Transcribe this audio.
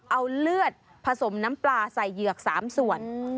เอาเลือดผสมน้ำปลาใส่เหยือก๓ส่วน